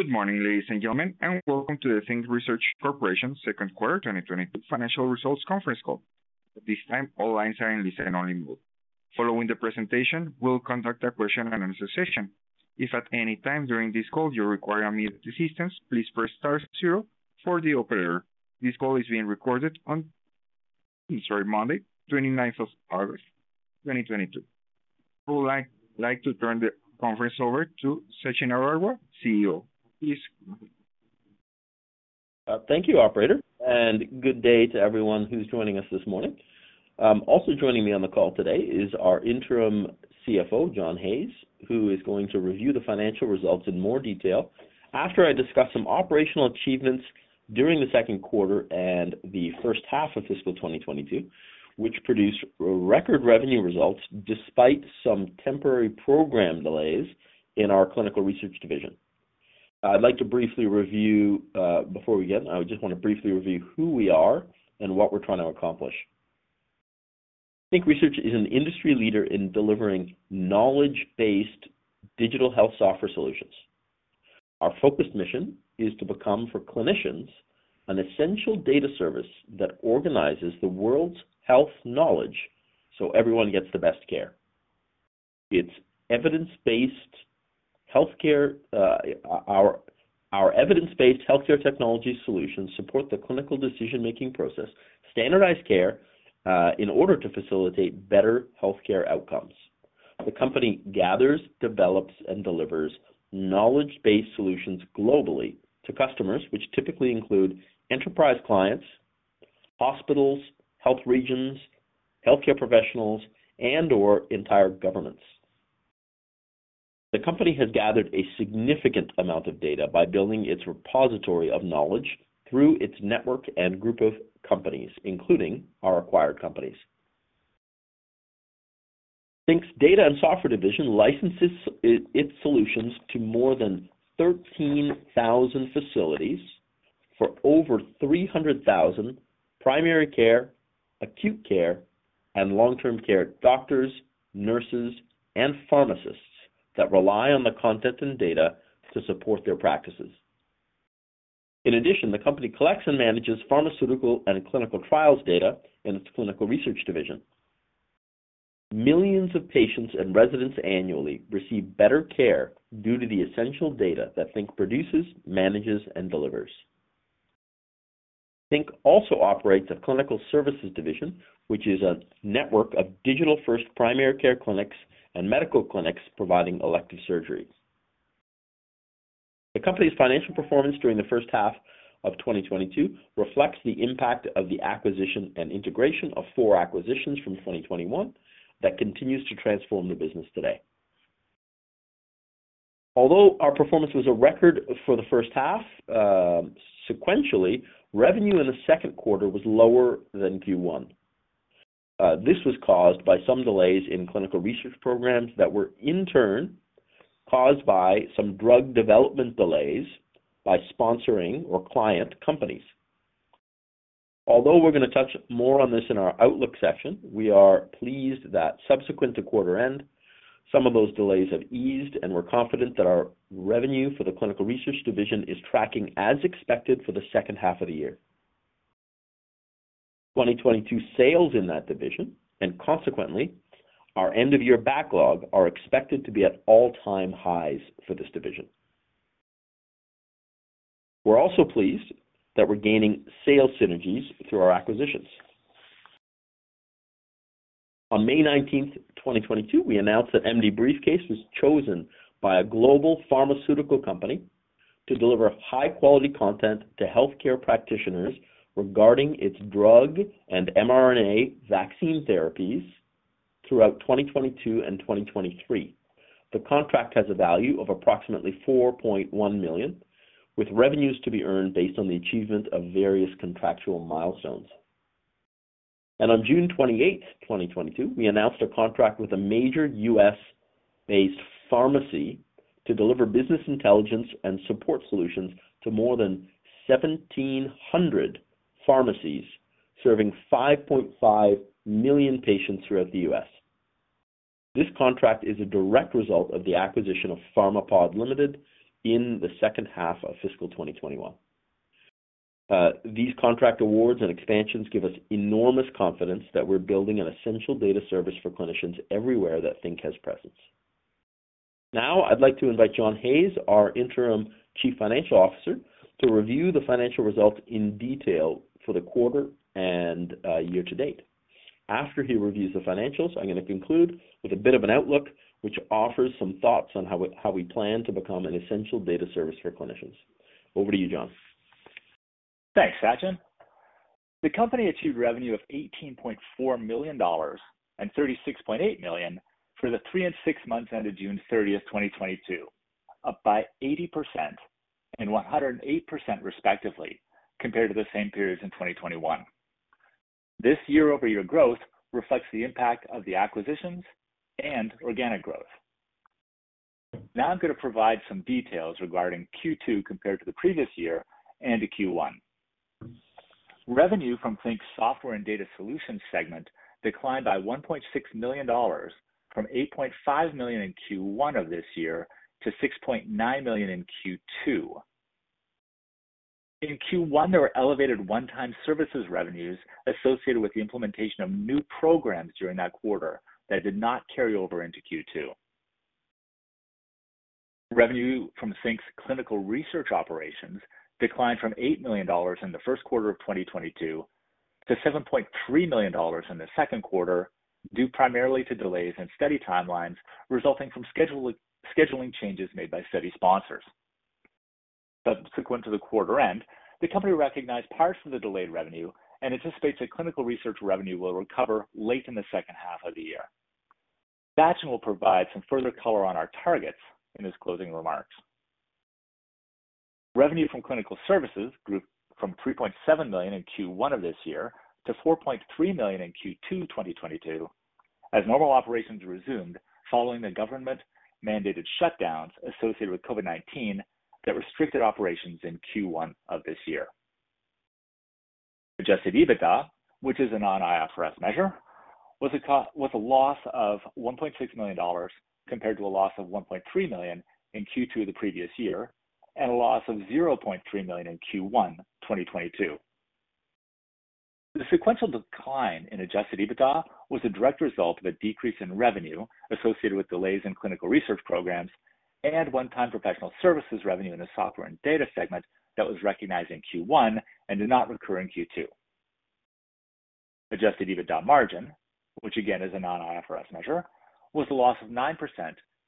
Good morning, ladies and gentlemen, and welcome to the Think Research Corporation Q2 2022 financial results conference call. At this time, all lines are in listen-only mode. Following the presentation, we'll conduct a question and answer session. If at any time during this call you require immediate assistance, please press star zero for the operator. This call is being recorded on Monday, 29th of August, 2022. I would like to turn the conference over to Sachin Aggarwal, CEO. Please go ahead. Thank you, operator, and good day to everyone who's joining us this morning. Also joining me on the call today is our Interim CFO, John Hayes, who is going to review the financial results in more detail after I discuss some operational achievements during the Q2 and the first half of fiscal 2022, which produced record revenue results despite some temporary program delays in our clinical research division. Before we begin, I just wanna briefly review who we are and what we're trying to accomplish. Think Research is an industry leader in delivering knowledge-based digital health software solutions. Our focused mission is to become, for clinicians, an essential data service that organizes the world's health knowledge so everyone gets the best care. It's evidence-based healthcare. Our evidence-based healthcare technology solutions support the clinical decision-making process, standardized care, in order to facilitate better healthcare outcomes. The company gathers, develops, and delivers knowledge-based solutions globally to customers, which typically include enterprise clients, hospitals, health regions, healthcare professionals, and/or entire governments. The company has gathered a significant amount of data by building its repository of knowledge through its network and group of companies, including our acquired companies. Think's data and software division licenses its solutions to more than 13,000 facilities for over 300,000 primary care, acute care, and long-term care doctors, nurses, and pharmacists that rely on the content and data to support their practices. In addition, the company collects and manages pharmaceutical and clinical trials data in its clinical research division. Millions of patients and residents annually receive better care due to the essential data that Think produces, manages, and delivers. Think also operates a clinical services division, which is a network of digital-first primary care clinics and medical clinics providing elective surgeries. The company's financial performance during the first half of 2022 reflects the impact of the acquisition and integration of four acquisitions from 2021 that continues to transform the business today. Although our performance was a record for the first half, sequentially, revenue in the Q2 was lower than Q1. This was caused by some delays in clinical research programs that were in turn caused by some drug development delays by sponsoring or client companies. Although we're gonna touch more on this in our outlook section, we are pleased that subsequent to quarter end, some of those delays have eased, and we're confident that our revenue for the clinical research division is tracking as expected for the second half of the year. 2022 sales in that division, and consequently, our end-of-year backlog are expected to be at all-time highs for this division. We're also pleased that we're gaining sales synergies through our acquisitions. On May 19, 2022, we announced that MDBriefCase was chosen by a global pharmaceutical company to deliver high-quality content to healthcare practitioners regarding its drug and mRNA vaccine therapies throughout 2022 and 2023. The contract has a value of approximately 4.1 million, with revenues to be earned based on the achievement of various contractual milestones. On June 28th, 2022, we announced a contract with a major U.S.-based pharmacy to deliver business intelligence and support solutions to more than 1,700 pharmacies serving 5,500,000 patients throughout the U.S. This contract is a direct result of the acquisition of Pharmapod Limited in the second half of fiscal 2021. These contract awards and expansions give us enormous confidence that we're building an essential data service for clinicians everywhere that Think has presence. Now, I'd like to invite John Hayes, our interim chief financial officer, to review the financial results in detail for the quarter and year to date. After he reviews the financials, I'm gonna conclude with a bit of an outlook, which offers some thoughts on how we plan to become an essential data service for clinicians. Over to you, John. Thanks, Sachin. The company achieved revenue of 18.4 million dollars and 36.8 million for the three and six months ended June 30th 2022, up by 80% and 108% respectively, compared to the same periods in 2021. This year-over-year growth reflects the impact of the acquisitions and organic growth. Now I'm gonna provide some details regarding Q2 compared to the previous year and to Q1. Revenue from Think's software and data solutions segment declined by 1.6 million dollars from 8.5 million in Q1 of this year to 6.9 million in Q2. In Q1, there were elevated one-time services revenues associated with the implementation of new programs during that quarter that did not carry over into Q2. Revenue from Think's clinical research operations declined from 8 million dollars in the Q1 of 2022 to 7.3 million dollars in the Q2, due primarily to delays in study timelines resulting from scheduling changes made by study sponsors. Subsequent to the quarter end, the company recognized parts of the delayed revenue and anticipates that clinical research revenue will recover late in the second half of the year. Sachin will provide some further color on our targets in his closing remarks. Revenue from clinical services grew from 3.7 million in Q1 of this year to 4.3 million in Q2 2022 as normal operations resumed following the government-mandated shutdowns associated with COVID-19 that restricted operations in Q1 of this year. Adjusted EBITDA, which is a non-IFRS measure, was a loss of 1.6 million dollars compared to a loss of 1.3 million in Q2 the previous year and a loss of 0.3 million in Q1 2022. The sequential decline in adjusted EBITDA was a direct result of a decrease in revenue associated with delays in clinical research programs and one-time professional services revenue in the software and data segment that was recognized in Q1 and did not recur in Q2. Adjusted EBITDA margin, which again is a non-IFRS measure, was a loss of 9%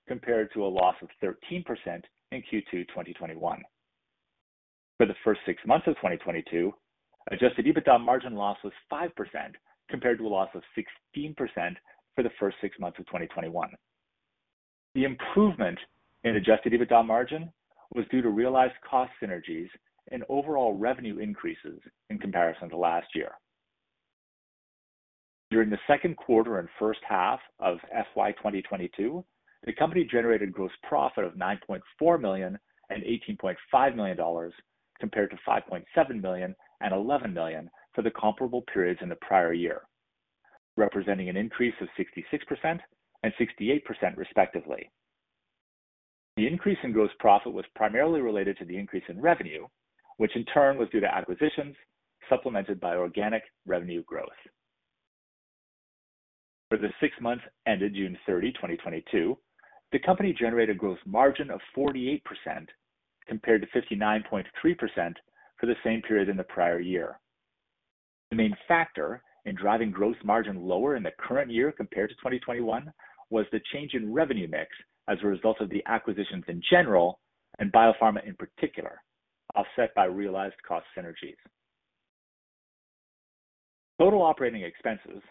compared to a loss of 13% in Q2 2021. For the first six months of 2022, adjusted EBITDA margin loss was 5% compared to a loss of 16% for the first six months of 2021. The improvement in adjusted EBITDA margin was due to realized cost synergies and overall revenue increases in comparison to last year. During the Q2 and first half of FY 2022, the company generated gross profit of 9.4 million and 18.5 million dollars compared to 5.7 million and 11 million for the comparable periods in the prior year, representing an increase of 66% and 68% respectively. The increase in gross profit was primarily related to the increase in revenue, which in turn was due to acquisitions supplemented by organic revenue growth. For the six months ended June 30 2022, the company generated gross margin of 48% compared to 59.3% for the same period in the prior year. The main factor in driving gross margin lower in the current year compared to 2021 was the change in revenue mix as a result of the acquisitions in general and BioPharma in particular, offset by realized cost synergies. Total operating expenses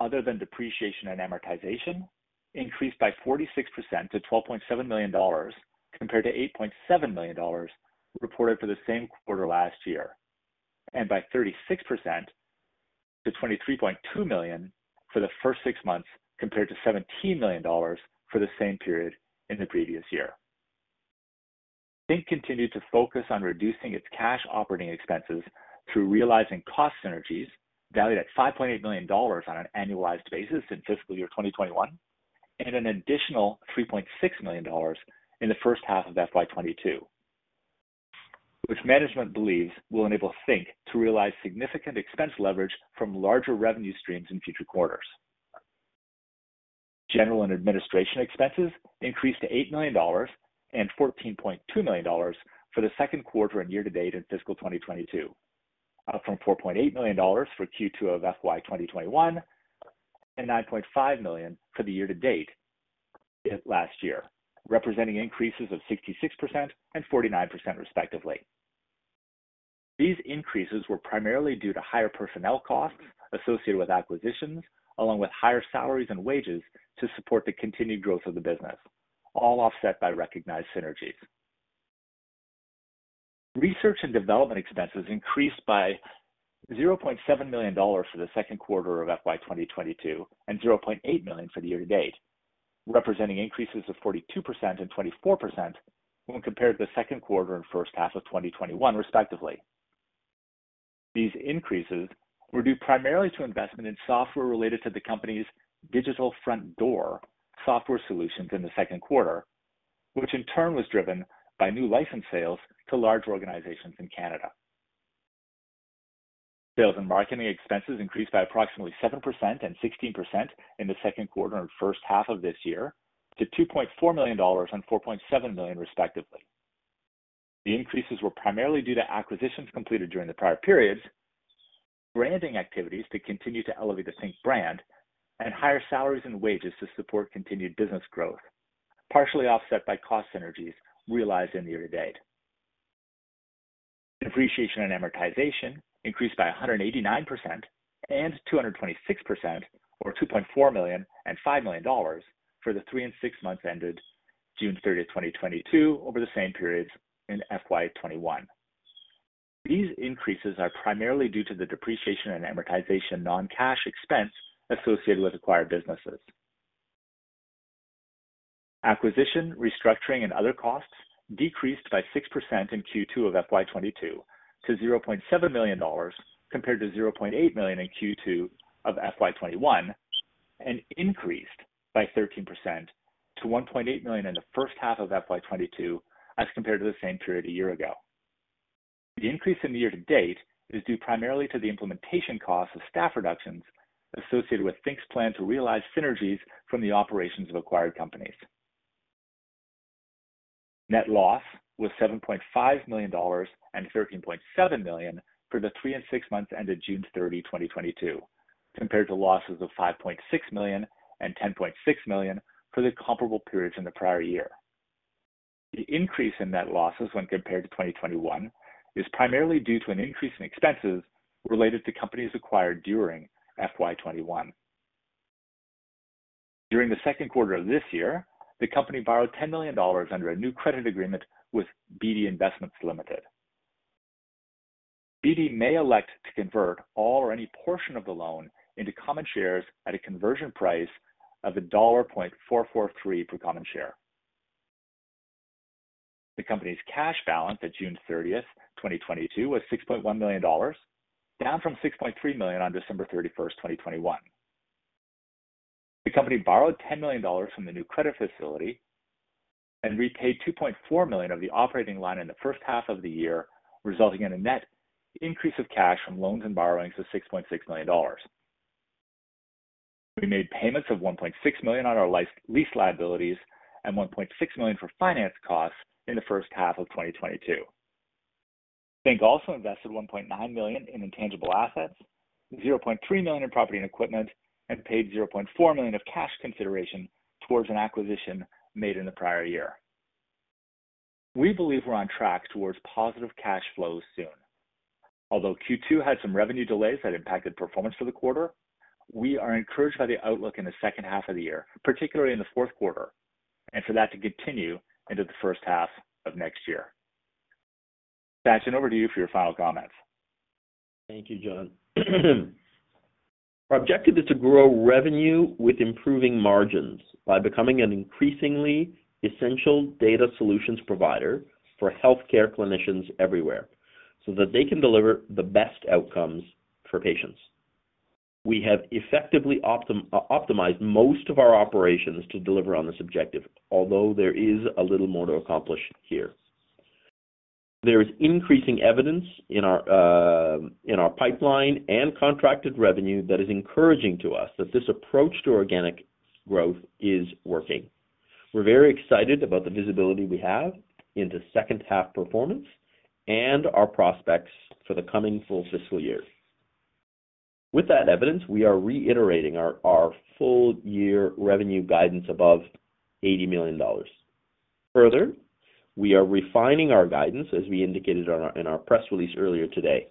other than depreciation and amortization increased by 46% to 12.7 million dollars compared to 8.7 million dollars reported for the same quarter last year, and by 36% to 23.2 million for the first six months compared to 17 million dollars for the same period in the previous year. Think Research continued to focus on reducing its cash operating expenses through realizing cost synergies valued at 5.8 million dollars on an annualized basis in fiscal year 2021 and an additional 3.6 million dollars in the first half of FY 2022, which management believes will enable Think to realize significant expense leverage from larger revenue streams in future quarters. General and administration expenses increased to 8 million dollars and 14.2 million dollars for the Q2 and year-to-date in fiscal 2022, up from 4.8 million dollars for Q2 of FY 2021 and 9.5 million for the year-to-date last year, representing increases of 66% and 49% respectively. These increases were primarily due to higher personnel costs associated with acquisitions, along with higher salaries and wages to support the continued growth of the business, all offset by recognized synergies. Research and development expenses increased by 0.7 million dollars for the Q2 of FY 2022 and 0.8 million for the year-to-date, representing increases of 42% and 24% when compared to the Q2 and first half of 2021 respectively. These increases were due primarily to investment in software related to the company's Digital Front Door software solutions in the Q2, which in turn was driven by new license sales to large organizations in Canada. Sales and marketing expenses increased by approximately 7% and 16% in the Q2 and first half of this year to 2.4 million dollars and 4.7 million respectively. The increases were primarily due to acquisitions completed during the prior periods, branding activities to continue to elevate the Think brand, and higher salaries and wages to support continued business growth, partially offset by cost synergies realized in the year-to-date. Depreciation and amortization increased by 189% and 226%, or 2.4 million and 5 million dollars for the three and six months ended June 30th 2022 over the same periods in FY 2021. These increases are primarily due to the depreciation and amortization non-cash expense associated with acquired businesses. Acquisition, restructuring, and other costs decreased by 6% in Q2 of FY 2022 to 0.7 million dollars compared to 0.8 million in Q2 of FY 2022 and increased by 13% to 1.8 million in the first half of FY 2022 as compared to the same period a year ago. The increase in the year to date is due primarily to the implementation costs of staff reductions associated with Think's plan to realize synergies from the operations of acquired companies. Net loss was 7.5 million dollars and 13.7 million for the three and six months ended June 30 2022, compared to losses of 5.6 million and 10.6 million for the comparable periods in the prior year. The increase in net losses when compared to 2021 is primarily due to an increase in expenses related to companies acquired during FY 2021. During the Q2 of this year, the company borrowed 10 million dollars under a new credit agreement with Beedie Investments Ltd. Beedie may elect to convert all or any portion of the loan into common shares at a conversion price of 1.443 dollar per common share. The company's cash balance at June 30th 2022 was 6.1 million dollars, down from 6.3 million on December 31st 2021. The company borrowed 10 million dollars from the new credit facility and repaid 2.4 million of the operating line in the first half of the year, resulting in a net increase of cash from loans and borrowings of 6.6 million dollars. We made payments of 1.6 million on our lease liabilities and 1.6 million for finance costs in the first half of 2022. Think also invested 1.9 million in intangible assets, 0.3 million in property and equipment, and paid 0.4 million of cash consideration towards an acquisition made in the prior year. We believe we're on track towards positive cash flow soon. Although Q2 had some revenue delays that impacted performance for the quarter, we are encouraged by the outlook in the second half of the year, particularly in the Q4, and for that to continue into the first half of next year. Sachin, over to you for your final comments. Thank you, John. Our objective is to grow revenue with improving margins by becoming an increasingly essential data solutions provider for healthcare clinicians everywhere so that they can deliver the best outcomes for patients. We have effectively optimized most of our operations to deliver on this objective, although there is a little more to accomplish here. There is increasing evidence in our, in our pipeline and contracted revenue that is encouraging to us that this approach to organic growth is working. We're very excited about the visibility we have into second half performance and our prospects for the coming full fiscal year. With that evidence, we are reiterating our full year revenue guidance above 80 million dollars. Further, we are refining our guidance, as we indicated on our press release earlier today.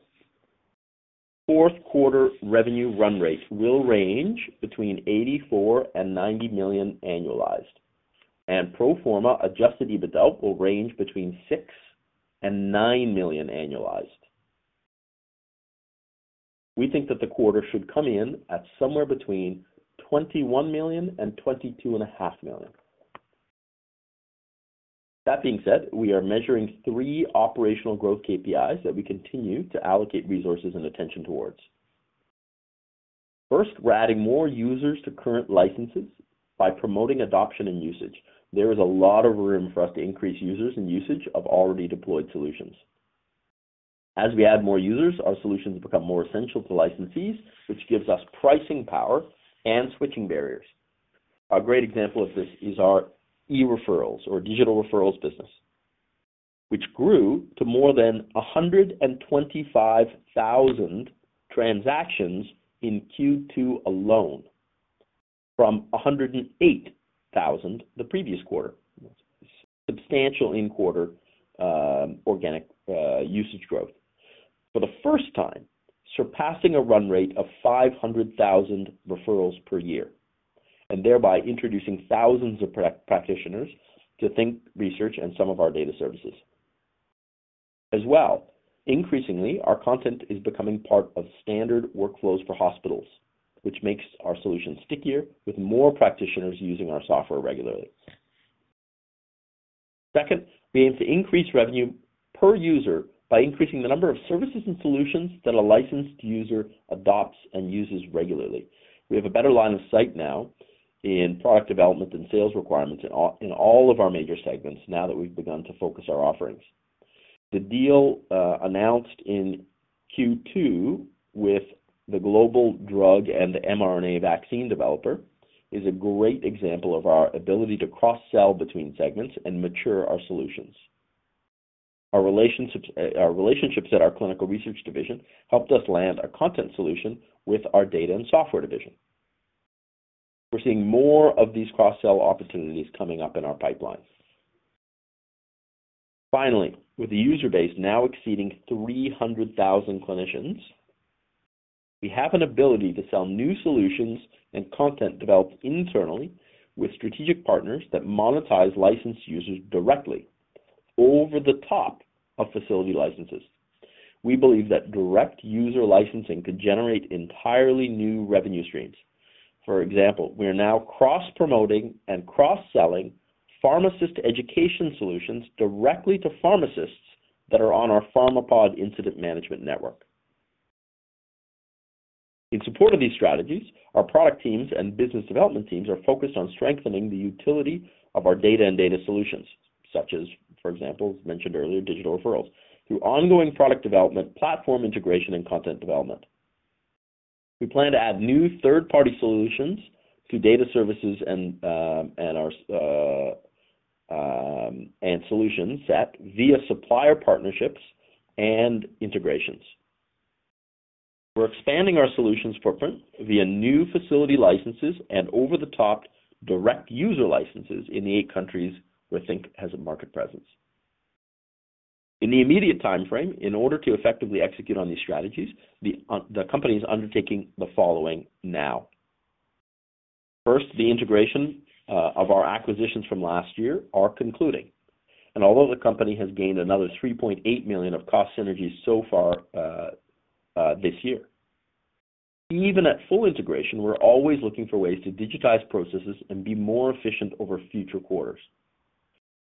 Q4 revenue run rate will range between 84 million-90 million annualized, and pro forma adjusted EBITDA will range between 6 million-9 million annualized. We think that the quarter should come in at somewhere between 21 million and 22.5 million. That being said, we are measuring three operational growth KPIs that we continue to allocate resources and attention towards. First, we're adding more users to current licenses by promoting adoption and usage. There is a lot of room for us to increase users and usage of already deployed solutions. As we add more users, our solutions become more essential to licensees, which gives us pricing power and switching barriers. A great example of this is our eReferrals or digital referrals business, which grew to more than 125,000 transactions in Q2 alone from 108,000 the previous quarter. Substantial in quarter organic usage growth. For the first time, surpassing a run rate of 500,000 referrals per year and thereby introducing thousands of practitioners to Think Research and some of our data services. As well, increasingly, our content is becoming part of standard workflows for hospitals, which makes our solution stickier with more practitioners using our software regularly. Second, we aim to increase revenue per user by increasing the number of services and solutions that a licensed user adopts and uses regularly. We have a better line of sight now in product development and sales requirements in all of our major segments now that we've begun to focus our offerings. The deal announced in Q2 with the global drug and the mRNA vaccine developer is a great example of our ability to cross-sell between segments and mature our solutions. Our relationships, our relationships at our clinical research division helped us land our content solution with our data and software division. We're seeing more of these cross-sell opportunities coming up in our pipeline. Finally, with the user base now exceeding 300,000 clinicians, we have an ability to sell new solutions and content developed internally with strategic partners that monetize licensed users directly over the top of facility licenses. We believe that direct user licensing could generate entirely new revenue streams. For example, we are now cross-promoting and cross-selling pharmacist education solutions directly to pharmacists that are on our Pharmapod Incident Management Network. In support of these strategies, our product teams and business development teams are focused on strengthening the utility of our data and data solutions, such as, for example, as mentioned earlier, digital referrals, through ongoing product development, platform integration and content development. We plan to add new third-party solutions to data services and our solutions via supplier partnerships and integrations. We're expanding our solutions footprint via new facility licenses and over-the-top direct user licenses in the eight countries where Think has a market presence. In the immediate time frame, in order to effectively execute on these strategies, the company is undertaking the following now. First, the integration of our acquisitions from last year are concluding. Although the company has gained another 3.8 million of cost synergies so far this year. Even at full integration, we're always looking for ways to digitize processes and be more efficient over future quarters.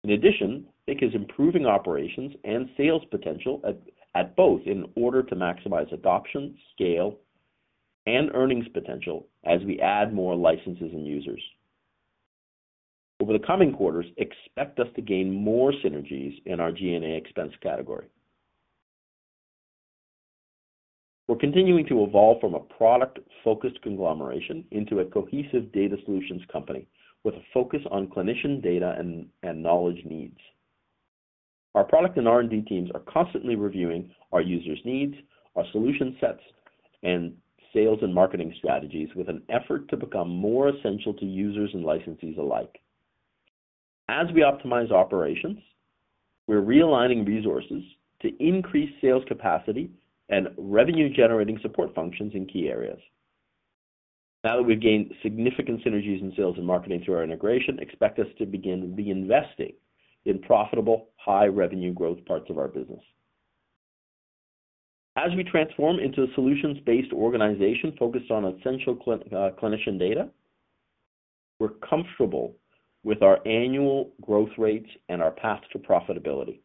In addition, Think is improving operations and sales potential at both in order to maximize adoption, scale, and earnings potential as we add more licenses and users. Over the coming quarters, expect us to gain more synergies in our G&A expense category. We're continuing to evolve from a product-focused conglomeration into a cohesive data solutions company with a focus on clinician data and knowledge needs. Our product and R&D teams are constantly reviewing our users' needs, our solution sets, and sales and marketing strategies with an effort to become more essential to users and licensees alike. As we optimize operations, we're realigning resources to increase sales capacity and revenue-generating support functions in key areas. Now that we've gained significant synergies in sales and marketing through our integration, expect us to begin reinvesting in profitable, high-revenue growth parts of our business. As we transform into a solutions-based organization focused on essential clinician data, we're comfortable with our annual growth rates and our path to profitability.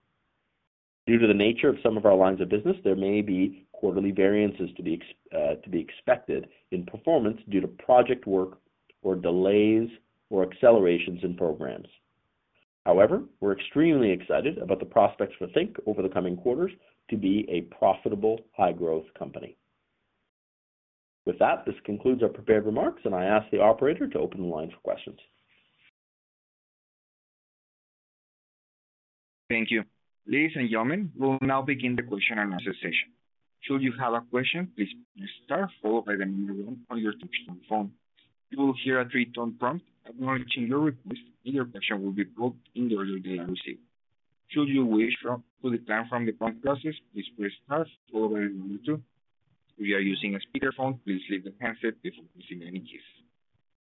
Due to the nature of some of our lines of business, there may be quarterly variances to be expected in performance due to project work or delays or accelerations in programs. However, we're extremely excited about the prospects for Think over the coming quarters to be a profitable, high-growth company. With that, this concludes our prepared remarks, and I ask the operator to open the line for questions. Thank you. Ladies and gentlemen, we'll now begin the question and answer session. Should you have a question, please press star followed by one on your touch-tone phone. You will hear a three tone prompt acknowledging your request, and your question will be put in the order they are received. Should you wish to withdraw from the conference process, please press star followed by two. If you are using a speakerphone, please pick up the handset before pressing any keys.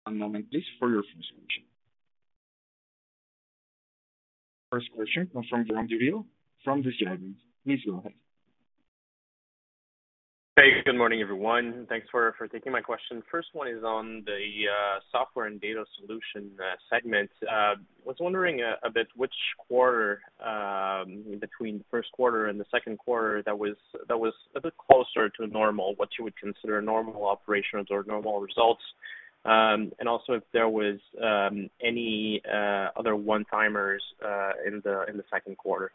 One moment, please, for your first question. First question comes from Jérome Dubreuil from Desjardins. Please go ahead. Hey, good morning, everyone, and thanks for taking my question. First one is on the software and data solution segment. Was wondering a bit which quarter between first quarter and the Q2 that was a bit closer to normal, what you would consider normal operations or normal results, and also if there was any other one-timers in the Q2?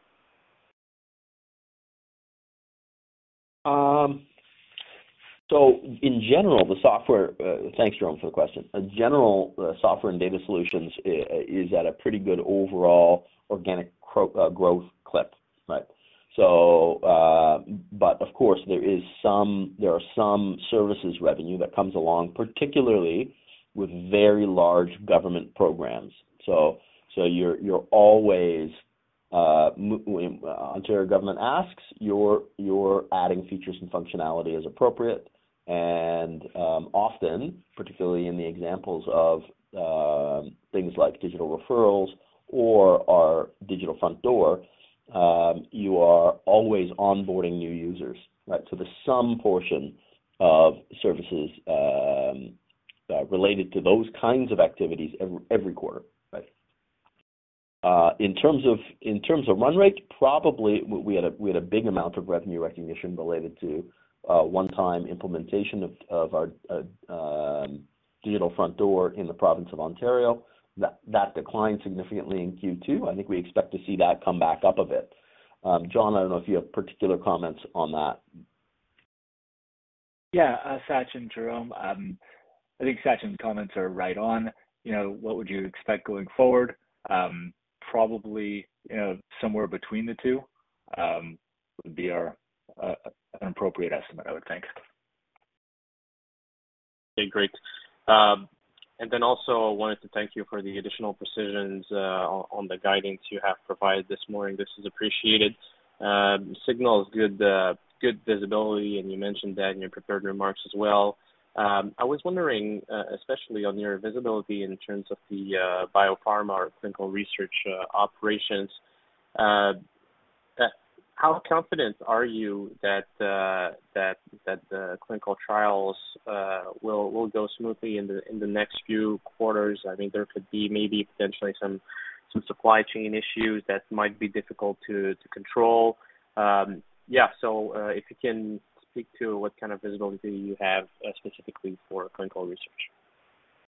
Thanks, Jérome, for the question. In general, the software and data solutions is at a pretty good overall organic growth clip, right? But of course, there are some services revenue that comes along, particularly with very large government programs. When the Ontario government asks, you are adding features and functionality as appropriate and, often, particularly in the examples of things like digital referrals or our Digital Front Door, you are always onboarding new users, right? There's some portion of services related to those kinds of activities every quarter, right? In terms of run rate, probably we had a big amount of revenue recognition related to one-time implementation of our Digital Front Door in the province of Ontario. That declined significantly in Q2. I think we expect to see that come back up a bit. John, I don't know if you have particular comments on that. Sachin, Jérome. I think Sachin's comments are right on. You know, what would you expect going forward, probably, you know, somewhere between the two, would be our, an appropriate estimate, I would think. Okay, great. Also wanted to thank you for the additional precisions on the guidance you have provided this morning. This is appreciated. Signals good visibility, and you mentioned that in your prepared remarks as well. I was wondering especially on your visibility in terms of the BioPharma or clinical research operations. How confident are you that the clinical trials will go smoothly in the next few quarters? I think there could be maybe potentially some supply chain issues that might be difficult to control. If you can speak to what kind of visibility you have specifically for clinical research.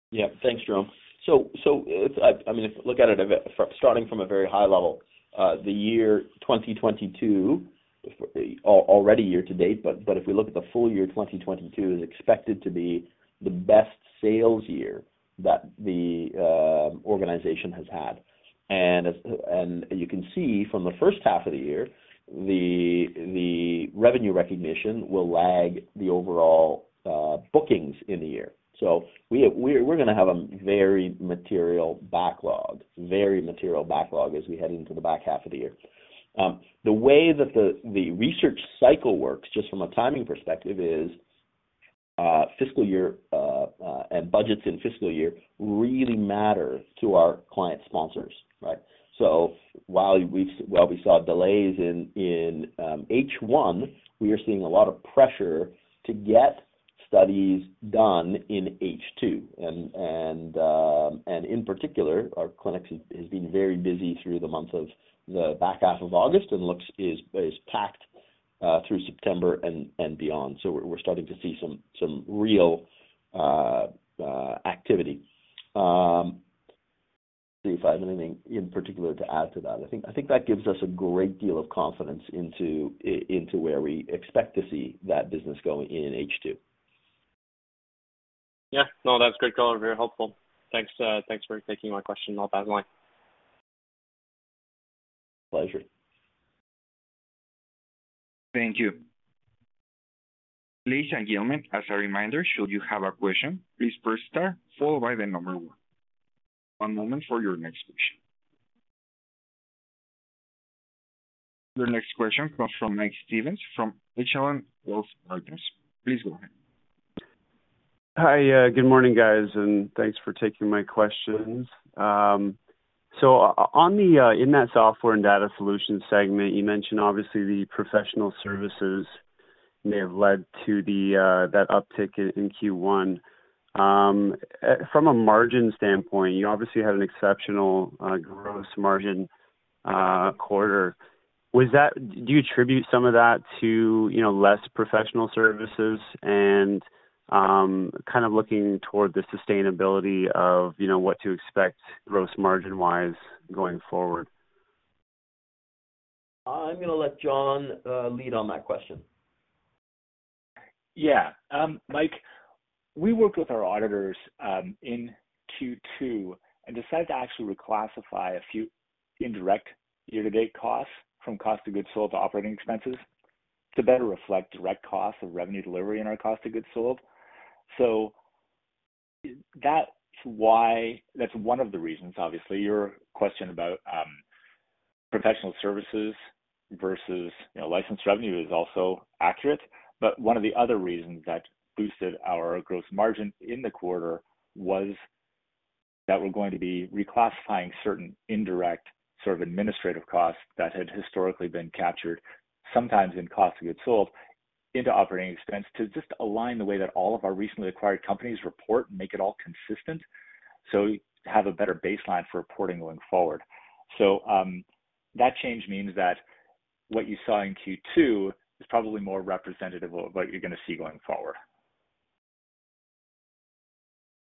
Yeah. Thanks, Jérome. I mean, if you look at it starting from a very high level, the year 2022 already year to date, but if we look at the full year, 2022 is expected to be the best sales year that the organization has had. You can see from the first half of the year, the revenue recognition will lag the overall bookings in the year. We're gonna have a very material backlog as we head into the back half of the year. The way that the research cycle works, just from a timing perspective is fiscal year and budgets in fiscal year really matter to our client sponsors, right? While we saw delays in H1, we are seeing a lot of pressure to get studies done in H2. In particular, our clinics has been very busy through the months of the back half of August and looks packed through September and beyond. We're starting to see some real activity. Let me see if I have anything in particular to add to that. I think that gives us a great deal of confidence into where we expect to see that business going in H2. Yeah. No, that's great color. Very helpful. Thanks. Thanks for taking my question. I'll pass the line. Pleasure. Thank you. Ladies and gentlemen, as a reminder, should you have a question, please press star followed by the number one. One moment for your next question. Your next question comes from Mike Stevens from Echelon Wealth Partners. Please go ahead. Hi. Good morning, guys, and thanks for taking my questions. On the software and data solutions segment, you mentioned obviously the professional services may have led to that uptick in Q1. From a margin standpoint, you obviously had an exceptional gross margin quarter. Do you attribute some of that to, you know, less professional services, kind of looking toward the sustainability of, you know, what to expect gross margin-wise going forward? I'm gonna let John lead on that question. Yeah. Mike, we worked with our auditors in Q2 and decided to actually reclassify a few indirect year-to-date costs from cost of goods sold to operating expenses to better reflect direct costs of revenue delivery in our cost of goods sold. That's why that's one of the reasons, obviously, your question about professional services versus, you know, license revenue is also accurate. One of the other reasons that boosted our gross margin in the quarter was that we're going to be reclassifying certain indirect sort of administrative costs that had historically been captured, sometimes in cost of goods sold, into operating expense to just align the way that all of our recently acquired companies report and make it all consistent so we have a better baseline for reporting going forward. That change means that what you saw in Q2 is probably more representative of what you're gonna see going forward.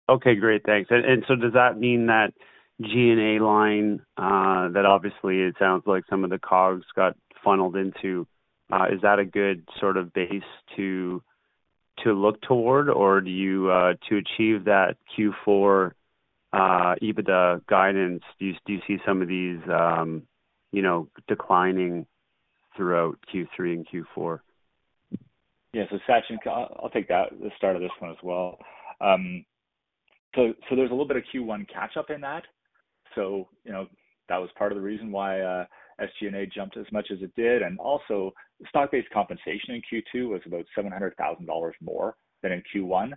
Okay. Great. Thanks. Does that mean that G&A line, that obviously it sounds like some of the COGS got funneled into, is that a good sort of base to look toward? Or do you to achieve that Q4 EBITDA guidance, do you see some of these, you know, declining throughout Q3 and Q4? Yeah. Sachin, I'll take that, the start of this one as well. There's a little bit of Q1 catch-up in that. You know, that was part of the reason why SG&A jumped as much as it did. Also, the stock-based compensation in Q2 was about 700,000 dollars more than in Q1.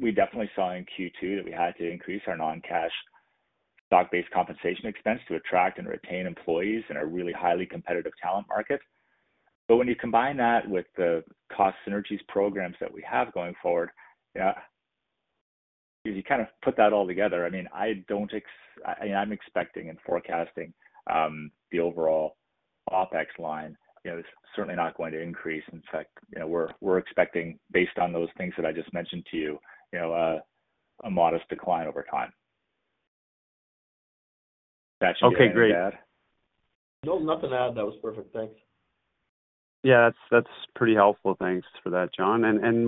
We definitely saw in Q2 that we had to increase our non-cash stock-based compensation expense to attract and retain employees in a really highly competitive talent market. When you combine that with the cost synergies programs that we have going forward, yeah, if you kind of put that all together, I mean, I'm expecting and forecasting the overall OpEx line. You know, it's certainly not going to increase. In fact, you know, we're expecting, based on those things that I just mentioned to you know, a modest decline over time. Sachin, anything to add? Okay. Great. No, nothing to add. That was perfect. Thanks. Yeah. That's pretty helpful. Thanks for that, John.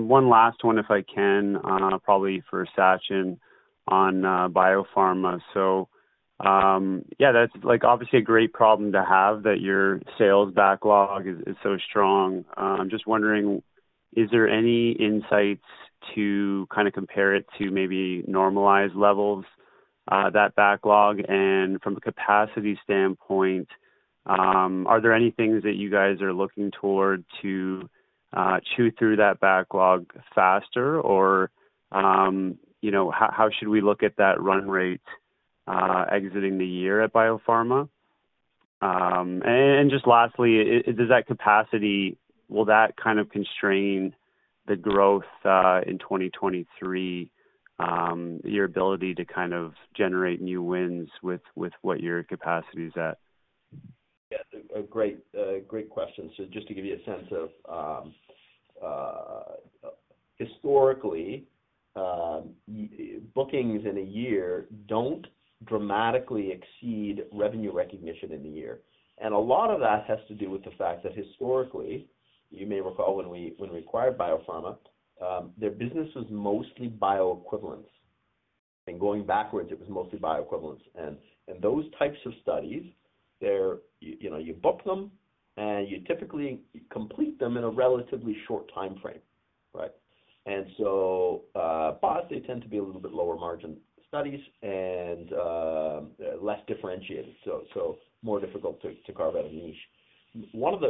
One last one if I can, probably for Sachin on BioPharma. Yeah, that's like obviously a great problem to have that your sales backlog is so strong. I'm just wondering, is there any insights to kind of compare it to maybe normalized levels, that backlog? From a capacity standpoint, are there any things that you guys are looking forward to chew through that backlog faster? Or, you know, how should we look at that run rate, exiting the year at BioPharma? Just lastly, will that kind of constrain the growth in 2023, your ability to kind of generate new wins with what your capacity is at? A great question. Just to give you a sense of historically, year bookings in a year don't dramatically exceed revenue recognition in the year. A lot of that has to do with the fact that historically, you may recall when we acquired BioPharma, their business was mostly bioequivalence. Going backwards, it was mostly bioequivalence. Those types of studies, they're you know, you book them, and you typically complete them in a relatively short time frame, right? Bios, they tend to be a little bit lower margin studies and less differentiated, so more difficult to carve out a niche. One of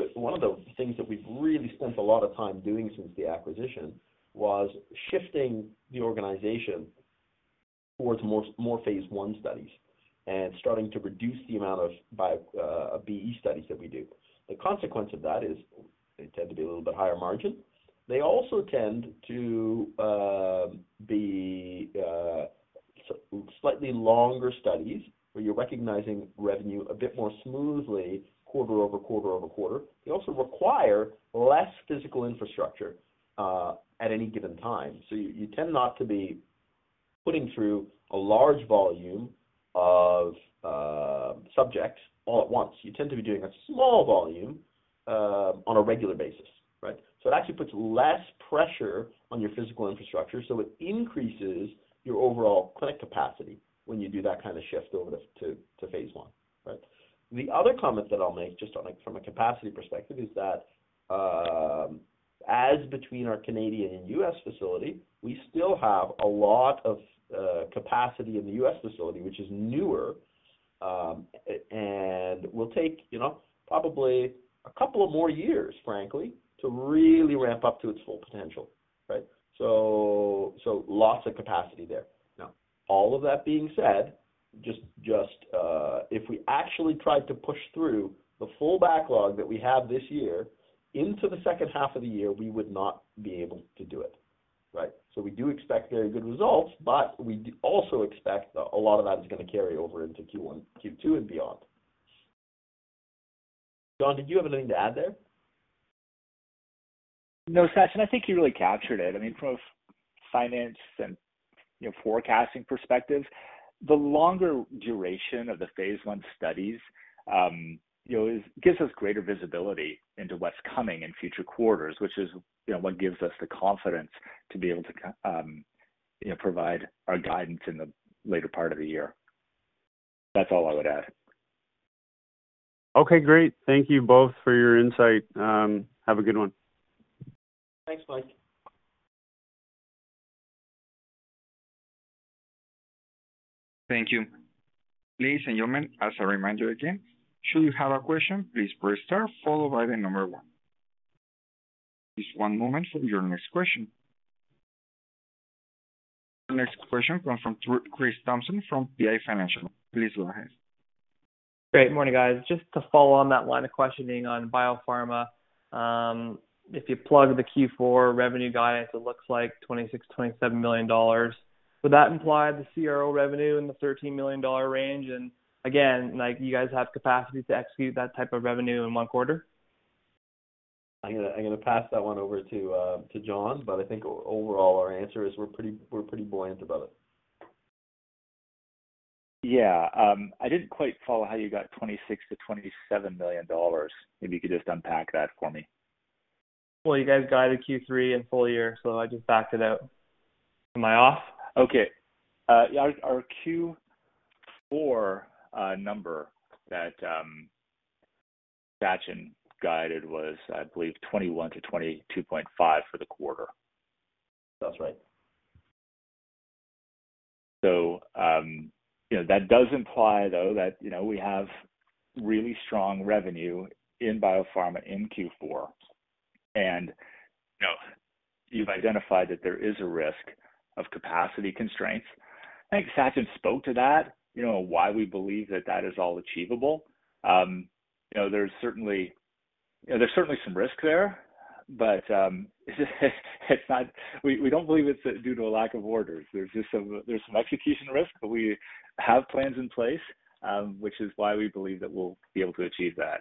the things that we've really spent a lot of time doing since the acquisition was shifting the organization towards more phase I studies and starting to reduce the amount of BE studies that we do. The consequence of that is they tend to be a little bit higher margin. They also tend to be slightly longer studies where you're recognizing revenue a bit more smoothly quarter over quarter over quarter. They also require less physical infrastructure at any given time. You tend not to be putting through a large volume of subjects all at once. You tend to be doing a small volume on a regular basis, right? It actually puts less pressure on your physical infrastructure, so it increases your overall clinic capacity when you do that kind of shift over to phase one, right? The other comment that I'll make, from a capacity perspective is that, as between our Canadian and U.S. facility, we still have a lot of capacity in the U.S. facility, which is newer, and will take, you know, probably a couple of more years, frankly, to really ramp up to its full potential, right? Lots of capacity there. Now, all of that being said, if we actually tried to push through the full backlog that we have this year into the second half of the year, we would not be able to do it, right? We do expect very good results, but we also expect a lot of that is gonna carry over into Q1, Q2 and beyond. John, did you have anything to add there? No, Sachin. I think you really captured it. I mean, from a finance and, you know, forecasting perspective, the longer duration of the phase I studies, you know, gives us greater visibility into what's coming in future quarters, which is, you know, what gives us the confidence to be able to, you know, provide our guidance in the later part of the year. That's all I would add. Okay, great. Thank you both for your insight. Have a good one. Thanks, Mike. Thank you. Ladies and gentlemen, as a reminder again, should you have a question, please press star followed by the number one. Please one moment for your next question. Your next question comes from Kris Thompson from PI Financial. Please go ahead. Good morning, guys. Just to follow on that line of questioning on BioPharma. If you plug the Q4 revenue guidance, it looks like 26 million-27 million dollars. Would that imply the CRO revenue in the 13 million dollar range? Again, like, you guys have capacity to execute that type of revenue in one quarter? I'm gonna pass that one over to John, but I think overall our answer is we're pretty buoyant about it. Yeah. I didn't quite follow how you got 26 million-27 million dollars. Maybe you could just unpack that for me. Well, you guys guided Q3 and full year, so I just backed it out. Am I off? Okay. Yeah, our Q4 number that Sachin guided was, I believe, 21 million-22.5 million for the quarter. That's right. You know, that does imply though that you know we have really strong revenue in BioPharma in Q4. You know, you've identified that there is a risk of capacity constraints. I think Sachin spoke to that, you know, why we believe that is all achievable. You know, there's certainly some risk there, but we don't believe it's due to a lack of orders. There's just some execution risk, but we have plans in place, which is why we believe that we'll be able to achieve that.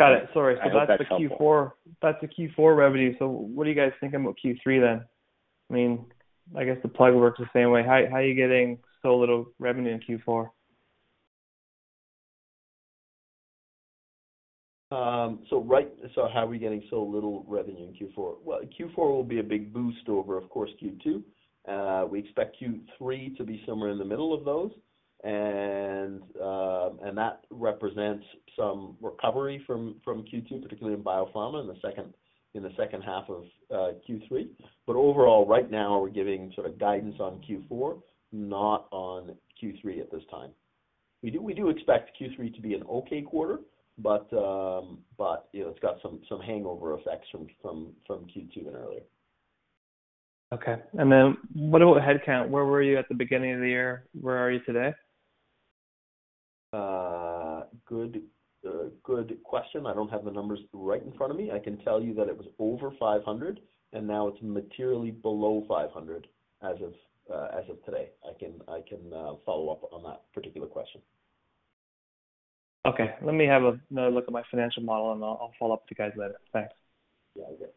Got it. Sorry. I hope that's helpful. That's the Q4, that's the Q4 revenue. What are you guys thinking about Q3 then? I mean, I guess the plug works the same way. How are you getting so little revenue in Q4? How are we getting so little revenue in Q4? Well, Q4 will be a big boost over, of course, Q2. We expect Q3 to be somewhere in the middle of those. That represents some recovery from Q2, particularly in BioPharma in the second half of Q3. Overall, right now we're giving sort of guidance on Q4, not on Q3 at this time. We do expect Q3 to be an okay quarter, but you know, it's got some hangover effects from Q2 and earlier. Okay. What about headcount? Where were you at the beginning of the year? Where are you today? Good question. I don't have the numbers right in front of me. I can tell you that it was over 500, and now it's materially below 500 as of today. I can follow up on that particular question. Okay. Let me have another look at my financial model, and I'll follow up with you guys later. Thanks. Yeah. You bet.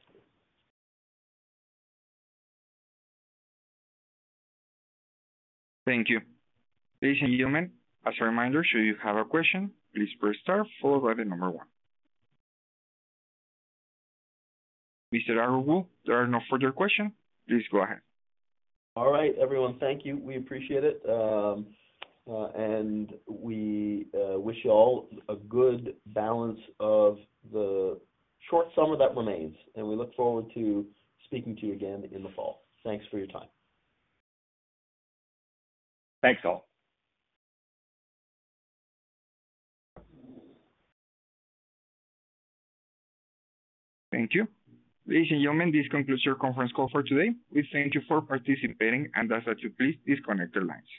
Thank you. Ladies and gentlemen, as a reminder, should you have a question, please press star followed by the number one. Mr. Aggarwal, there are no further questions. Please go ahead. All right, everyone. Thank you. We appreciate it. We wish you all a good balance of the short summer that remains, and we look forward to speaking to you again in the fall. Thanks for your time. Thanks, all. Thank you. Ladies and gentlemen, this concludes your conference call for today. We thank you for participating and ask that you please disconnect your lines.